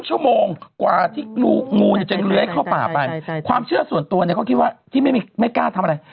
ชั่วโมงกว่าที่งูเนี่ยจะเลื้อยเข้าป่าไปความเชื่อส่วนตัวเนี่ยเขาคิดว่าที่ไม่กล้าทำอะไร